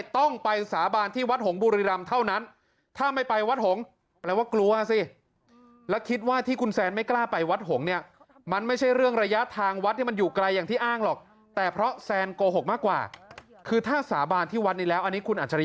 ต้องไปสับานที่วัดหงษ์บุริรำเท่านั้นถ้าไม่ไปวัดหงษ์แปลว่ากลัวซิ